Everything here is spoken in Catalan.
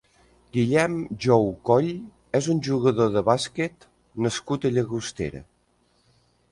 Guillem Jou Coll és un jugador de bàsquet nascut a Llagostera.